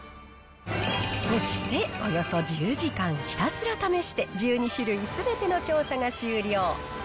そしておよそ１０時間ひたすら試して１２種類すべての調査が終了。